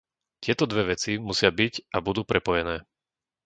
Tieto dve veci musia byť a budú prepojené.